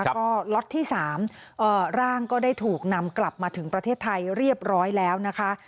แล้วก็ล็อตที่๓ร่างก็ได้ถูกนำกลับมาถึงประเทศไทยเรียบร้อยแล้วนะคะ